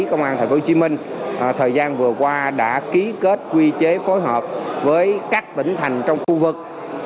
công an tp hcm thời gian vừa qua đã ký kết quy chế phối hợp với các tỉnh thành trong khu vực